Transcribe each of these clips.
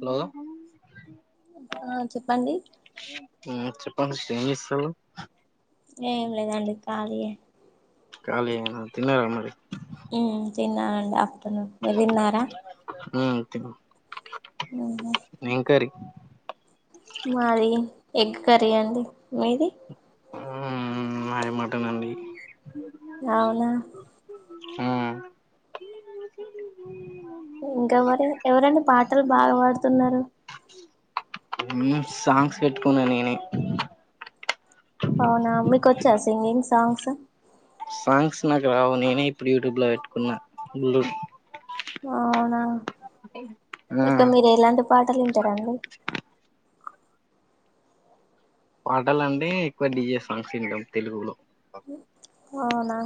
Hello ఆ చెప్పండి ఆ చెప్పండి ఏంజేస్తురు ఏం లేదండి ఖాళీయే ఖాళీయేనా తిన్నరా మరి ఉమ్ తిన్నాండి ఆఫ్టర్నూన్ మీరు తిన్నారా. ఆ తిన్నాం మ్మ్ ఏం కర్రీ మాది ఎగ్ కర్రీ అండి మీది ఆ మాది మటన్ అండి అవునా ఆ ఇంకవరి ఎవరండి పాటలు బాగా పాడుతున్నారు. ఉమ్ సాంగ్స్ పెట్టుకున్నా నేనే అవునా మీకు వచ్చా సింగింగ్ సాంగ్స్ సాంగ్స్ నాకు రావు నేనే ఇప్పుడు యూట్యూబ్లో పెట్టుకున్నా బ్లూ అవునా ఆ ఇంక మీరు ఎలాంటి పాటలు వింటారండి. పాటలు అండి ఎక్కువ డిజే సాంగ్స్ వింటాం తెలుగులో అవునా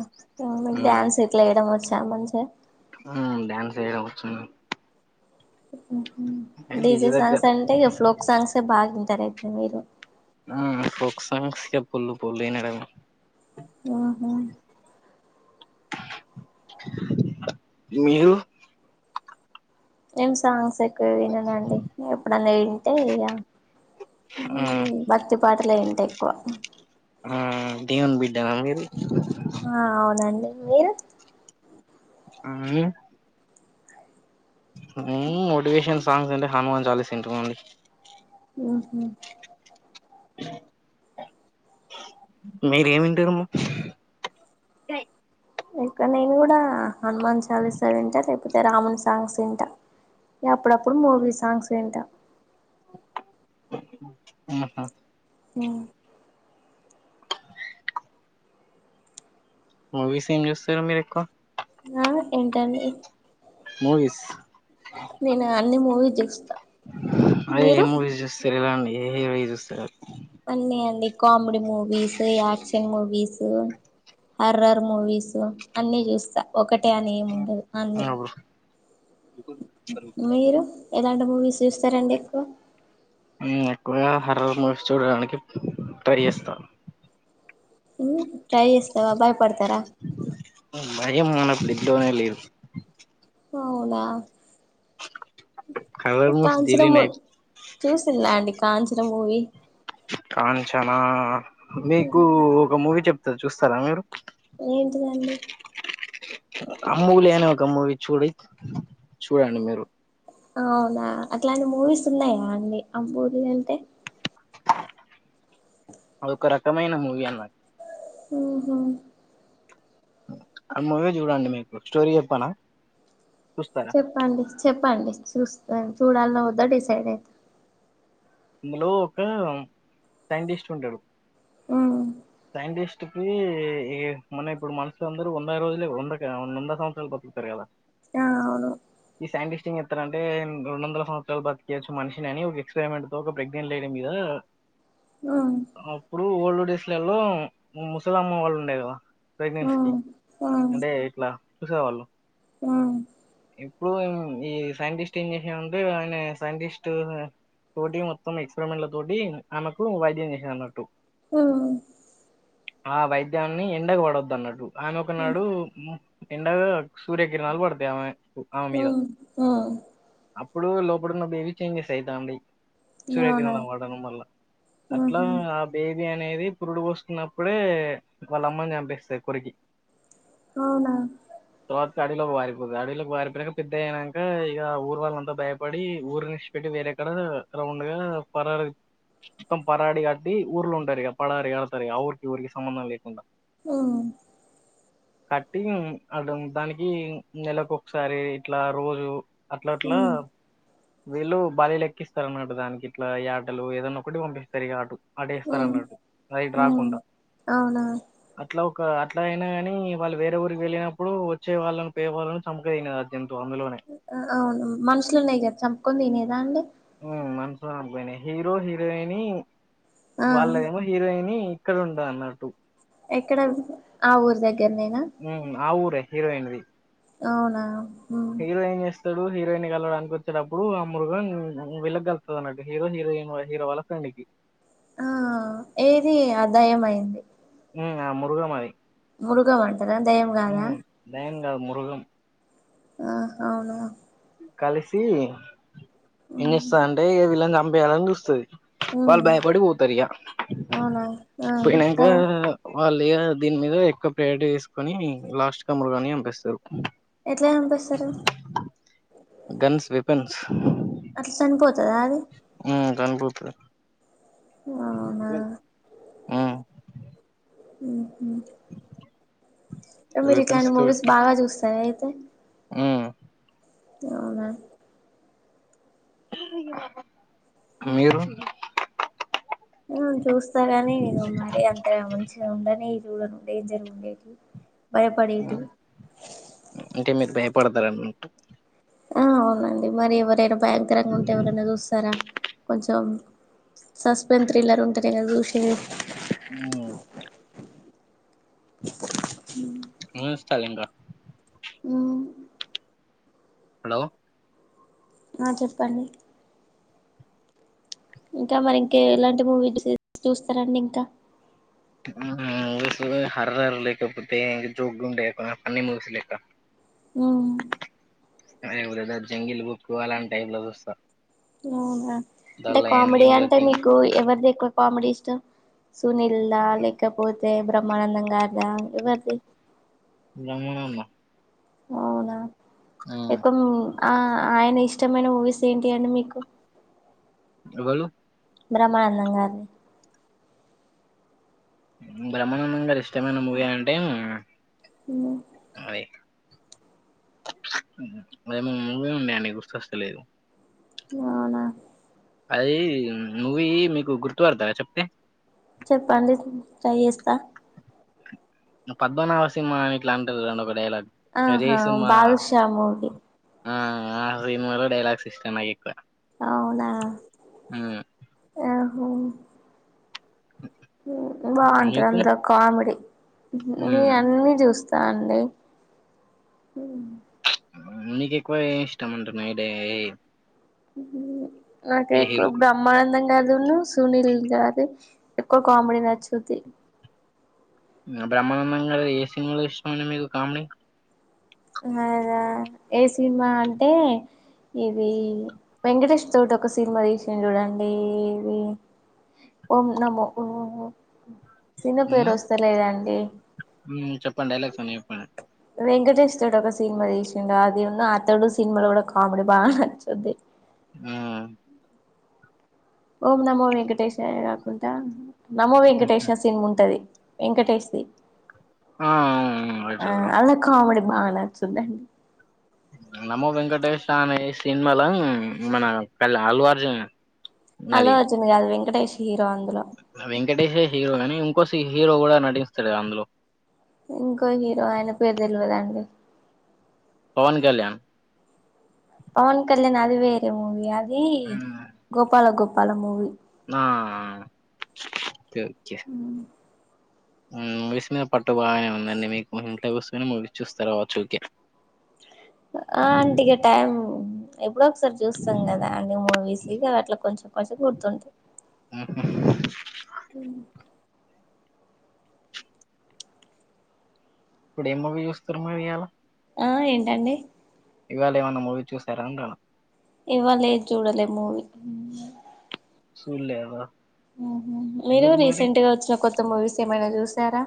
మీకు డ్యాన్స్ ఇట్లా వేయడం వచ్చా మంచిగా డ్యాన్స్ యేయడం వచ్చు ఉమ్ హూ డీజే డీజీ దగ్గర సాంగ్స్ అంటే ఇగ ఫ్లోక్ సాంగ్సే బాగా వింటారు అయితే మీరు ఆ ఫోక్ సాంగ్స్ కే పోల్లు పోల్లుయేనాడగా ఆహా మీరు నేం సాంగ్స్ ఎక్కువ విననండి ఎప్పుడన్నా వింటే ఇక హ్మ్మ్ భక్తి పాటలే ఇంటా ఎక్కువ ఆ దేవన్ బిడ్డ నగిరి ఆ అవునండి మీరు ఆ మీరు హుమ్ మోటివేషన్ సాంగ్స్ అంటే హనుమాన్న్ చాలీస్ అంతే అండి హుహుమ్ అ మీరేమింటారమ్మా ఇక్కడ నేను కూడా హనుమాన్ చాలీస అంట లే కాకపోతే రామున్ సాంగ్స్ వింటా అప్పుడప్పుడు మూవీ సాంగ్స్ విన్టా ఆహా హ్మ్మ్ మూవీస్ ఏం చూస్తారు మీరు ఎక్కువ ఆ ఏంటండి మూవీస్ నేను అన్ని మూవీ చూస్తా అదే మీరు ఏ మూవీస్ చూస్తారు ఇలా ఏ హీరోయి చూస్తారు అన్నీ అండి comedy movies action movies horror movies అన్ని చూస్తా ఒకటి అట్టే అని ఏముండదు అన్ని అప్పుడు మీరు ఎలాంటి మూవీస్ చూస్తారండి ఎక్కువ నేను ఎక్కువగా హర్రర్ మూవిస్ చూడడానికి ట్రై చేస్తా హుమ్ ట్రై చేస్తావా భయపడతార భయం మన బ్లడ్ లోనే లేదు అవునా హర్రర్ మూవీస్ కాంచన డైలీ మూ నైట్ చూసింది అండి కాంచన మూవీ కాంచనా మీకు ఒక మూవీ చెప్తారు చూస్తారా మీరు ఏంటిదండి అమూల్య అనే ఒక మూవీ చూడి చూడండి మీరు అవునా అట్లాంటి మూవీస్ ఉన్నాయా అండి అంబూర్ అంటే ఒక రకమైన మూవీ అన్నారు ఉహూ అ మూవీ చూడండి మీకు స్టోరీ చెప్పానా చెప్పండి చెప్పండి చూస్తాను చూడాలని వద్దా డిసైడ్ అవుతా ఇందులో ఒక సైంటిస్ట్ ఉంటడు. ఉమ్ సైంటిస్ట్ కి ఏ మన ఇప్పుడు మనుషుల అందరూ వంద రోజులు వంద వంద సంవత్సరాలు బ్రతుకుతారు కదా ఆ అవును ఈ సైంటిస్ట్ంగ్ ఎట్టంటే రెండు వందల సంవత్సరాలు బతికేయవచ్చు మనిషిని ఒక ఎక్స్పెరిమెంట్ ఒక ప్రెగ్నెంట్ లేడీ మీద ఆ ఇప్పుడు ఓల్డ్ డేస్ లల్లో ముసల అమ్మ వాళ్ళు ఉండే కదా ప్రెగ్నెన్సీ కి ఉమ్ అంటే ఇట్లా చూసేవాళ్ళు ఉమ్ ఇప్పుడు ఈ సైంటిస్ట్ ఏం చేషన్ ఉంటే ఆయన సైంటిస్ట్ తోటి మొత్తం ఎక్స్పరిమెంట్ల తోటి ఆమెకు వై ద్యం చేసంది అన్నట్టు ఆ ఆ వైద్యాన్ని ఎండగ పడొదు అన్నట్టు ఆమె ఒకనాడు ఉమ్ ఎండగా సూర్యకిరణాలు పడుత [inaudible] ఆ ఆ అప్పుడు, లోపడున్న బేబీ చేంజెస్ అయితా ఉంటాయి. అవునా సూర్యకిరహణం వాడనం వల్ల, అట్లా ఉహు ఆ బే. బేబీ అనేది పురుడు పోసుకున్నప్పుడే, వాళ్ల అమ్మని చంపేస్తది కొరికి. అవునా! తర్వాత అడవిలోకి వారిపోతది. అడవిలోకి వారిపోయినంక, పెద్ద అయినంక, ఇగ ఆ ఊరి వాళ్లంతా భయపడి ఊర్ని ఇడ్చి పెట్టి వేరే. అక్కడ, రౌండ్ గా పరార్ [unintelligible] మొత్తం పరాడి కట్టి, ఊర్లో ఉంటారు ఇగ. పడారి కడతారు ఇగ. ఆఊరికి, ఊరికి సంబంధం లేకుండా. హ్మ్మ్. కట్టింగ్ అ, డాన్. దానికి నెలలకు, ఒకసారి ఇట్లా రోజు. అట్ల, అట్లా. ఉమ్ వీళ్లు భార్యఎల్ ఎక్కిస్. ఇస్తారన్నమాట దానికి. ఇట్లా యాటాలు ఏదన్న ఒకటి, పంపిస్తారు ఇగ ఆటు. అటేస్తారు ఉమ్ అన్నట్టు. అది ఇటు, రా ఉమ్ రాకుండా అవునా అట్లా ఒక. ఒక అట్లా అయినా కానీ, వాళ్లు వేరే ఊరికి వెళ్లినప్పుడు, వచ్చే వాళ్లను, పేయి వాళ్లను చంపుకొన తినేదఆట. అద్యంత. ఆ అవును. మనుషులునే కదా? చంపుకొన్ తినేద అండి. హ్మ్మ్, మనుషుల అ పోయినాయి. హీరో, హీరోయిని. ఆ వెళ్లాద ఏమో హీరోయిని. ఇక్కడ ఉంటా, అన్నట్టు. ఎక్కడ ఆధీ? ఆ ఊరు దగ్గర. హ్మ్మ్, ఆ ఊరే హీరోయిన్ ధీ. అవునా. ఉమ్ హీరోయిన్, ఏం జెస్. వోత్తాడు. హీరోయిన్ కలడానికి వచ్చేటప్పుడు, ఆ మృగం విళ్లక గల్ఫ్తది అన్నటు. హీరో, హీరోయిన్ వాహీ. హీరో వాళ్ల ఫ్రెండ్స్. టేకి. ఆ ఏది? అ, దాయం అయింది. హ్మ్మ్, మృగం అధి. మృగం అంటారా. దయ్యం కాదా? కా, ముృగం. ఆహా! ఆవును గా. కలిసి, ఇం ఉమ్ జేస్తది అంటే? వాళ్లని జంపేయాలని జూస్తది. ఉమ్ వాళ్లు భయపడి, పోతర్ ఇగ. అవునా ఆ తర్వా వాళ్లు ఈయా. దీని మీద ఎక్కువ ప్రయారిటీ తీస్కొని, లాస్ట్ ఆ మృగాన్ని జంపేస్తారు. ఎట్లా జంపేస్తారు? Guns, weapons. ఉతద ఆది. ట్రాన్ బుపాయ్. అవునా? ఉమ్ ఉహూ. [unintelligible] ఆ మీరు, వెపన్స్ ఇట్లాంటి మూవీస్ బాగా చూస్తార అయితే? హ్మ్మ్. అవునా? [unintelligible] మీరు [unintelligible] హ్మ్మ్, చూస్తాగాని. నేను మరి అంతగా మంచిగా ఉండని. జూడను, డేంజర్ ఉండేటివి. ఆ భయపడేటివి అంటే, మీరు భయపడతారు అన్నట్టు. ఆ అవునండి. మరి ఎవరైనా భయంకరంగా ఉంటే ఎవరైనా చూస్తారా? కొంచెం సస్పెన్స్ థ్రిల్లర్, ఉంటనే కదా జూశేది? హ్మ్మ్. [unintelligible] ముస్తలే ఇంగ. మ్మ్ హలో. ఆ, చెప్పండి. ఇంకా మరి, ఇంకా ఎలాంటి మూవీ చూస్తారండి ఇంకా? ఉహ్మ్. మూవీ [unintelligible] సుద్ధే, హారర్ లేకపోతే ఇంకా జోక్‌గా ఉండే అన్ని మూవీస్ లెక్కా. హ్మ్. ఆయూ బ్రదర్! జంగిల్ బుక్కు, అలాంటి టైపు లో చూస్తా. అవునా. ద అంటే లయన్ కామెడీ, కింగ్ అంటే కింగ్ మీకు ఎవరిది ఎక్కువ కామెడీ ఇష్టం? సునీల్దా, లేలకపోతే బ్రహ్మానందం గారుదా. ఎవరిది? బ్రహ్మానందం. అవునా, ఆ ఎకున్. ఆ అయినా, ఇష్టమైన మూవీస్ ఏంటి అండి మీకు? ఎవళ్లు? బ్రహ్మానందం గరిధీ. బ్రహ్మానందం గారు, ఇష్టమైన మూవీ అంటే? సినిమా. ఉమ్, ఉమ్. ఏమో మూవీ ఉండే అండి, గుర్తొస్తలేదు. అవునా? అది మూవీ, మీకు గుర్తుపడతారా చెప్తే? చెప్పండి, ట్రై చేస్తా. పద్మనాభ సినింహ, అని ఇట్లాంటరు జూడండి ఒక డైలాగ్. రే ఆహా! సింహా బాదుషా మూవి. ఆ ఆ సినిమాలో, డైలాగ్స్ ఇష్టం నాక్ ఎక్కువ. అవునా? మ్మ్ ఆహో. హ్మ్మ్, బా ఉంటంది. మీకు అందులో కామెడీ నీ, మ్మ్ అన్నీ చూస్తా. సండే హ్మ్మ్. నీకు ఎక్కువ, ఏం ఇష్టం అంటున్నెయ్ డే? హ్మ్మ్, నాక్ ఎక్కువ బ్రహ్మానందం. కే ఆధును. సునీల్ గారది, ఎక్కువ కామెడీ నచ్చుది. ఆ బ్రహ్మానందం గారిది, ఏ సినిమాలు ఇష్టం అండి మీకు కామెడీ. హ్మ్మ్, అదా. ఏ సినిమా అంటే? ఇది వెంకటేష్ తోటి ఒక సినిమా తీశిండు జూడండి. ఏది. ఓం నమో. ఒ ఒ. సిన పేరు, మ్మ్ వస్తలేదాండి? మ్మ్ చెప్పండి డైలాగ్స్ అన్ని చెప్పండి వెంకటేష్ తోట, ఒక సినిమా తీశిండు. అది ను, అతడు సినిమాలో కూడా కామెడీ బా నచ్చొది. హ్మ్మ్. ఓం నమో వెంకటేష్య కాకుండా, నమో మ్మ్ వెంకటేష్ సినిన్ ఉంటది. వెంకటేష్ ది! ఆ ఆ, అవును అలా కామిడీ. బా, నచ్చుద అండీ. నమో వెంకటేేశ అనే సినిమాలా, మన కళ్. అల్లు అర్జున్. ఆల్లు అది అర్జున్ గాదు? వెంకటేష్ హీరో అందులో. వెంకటేష్ హె హీరో గానీ, ఇంకోసి హీరో గుడా నటిస్తాడు అందులో. తెల్వదు అండీ? పవన్ కల్యాణ్. పవన్ కళ్యాణ్, అది వేరే మూవి. అది గోపాల గోపాల మూవి. నా ఆ. ఒకే, ఒకే. హ్మ్మ్, మూవీస్స్ మీద పట్టు బాగానే ఉందండి మీకు. ఇంట్లో కూసుకొని మూవీస్స్ చూస్తారు కావచ్చు ఊకే. ఆ ఆంటీకా టైమ్. ఎప్పుడ ఒకసారి చూస్తాం, కదా అండి మూవీస్? ఇగ అ, అట్లా కొంచెం కొంచెం గుర్తుంటాయి. మ్మ్. అ ఇప్పుడు ఏం మవ చూస్తారు మరి ఇ అలా ఆ ఏంటండి ఇవాళ ఏమైన్నా మూవీ చూసారా అంటను ఇవాళ చూడలే మూవి సూలే అదా ఆ మీరు రీసెంట్ గా వచ్చిన కొత్త మూవీస్ ఏమైనా చూసారా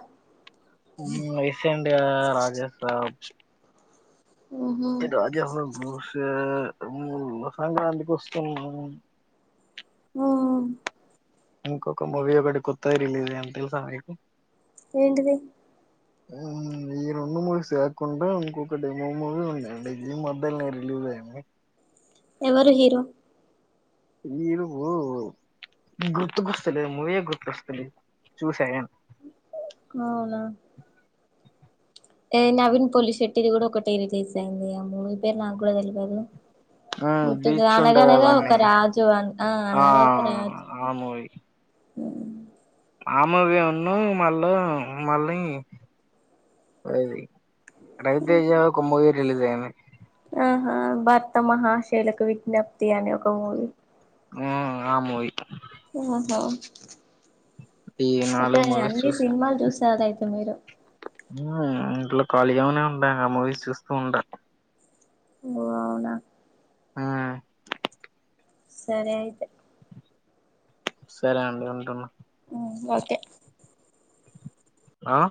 ఇస్ ఇడియా రాజస్ ఉహు. ఏ అజ బష సంక్ర ప్ర వస్తు ఆ ఇంకొక మూవీ ఒకటి కొత్తది రిలీజ్ అయ్యని తెలుసా మీకు ఏంటిది అవు ఈ రెండు మూవీ లేకుండా ఇంకొకటి మూ మూవీ ఉన్నాయండి ఈ మధ్యలో రిలీజ్ ఐంది ఎవరు హీరో హీరో బో ఎవరో గుర్తుకొస్తలేదు మూవే గుర్తుకొస్తలేదు చూస అయను అవునా నవీన్ పొలిశెట్టిది కూడా ఒకటి రిలీజ్ అయింది అమ ఈ పేరు నాకు కూడా తెలియదు ఆ గుర్తుకు బీచ్ ఉంటది అనగనగా ఒక అవన్నీ రాజు అ ఆ అనగానగా ఒక రాజు ఆ ఆమూవీ ఉన్ను మల్ల మళ్లీ అది రవితేజ ఒక మూవీ రిలీజ్ అయింది ఆహా భర్త మహాశైలకు విజ్ఞప్తి అనే ఒక మూవీ ఆ ఆమూవీ ఓహో ఈ అయితే నాలుగు మూవీస్ అన్ని చూసా సినిమాలు చూసార అయితే మీరు ఇంట్లో ఖాళీగామనే ఉండ ఆ మూవీస్ చూస్తూ ఉంట ఓ అవునా మ్మ్ సరే అయితే సరే అండి ఉంటున్నా ఓకే ఆ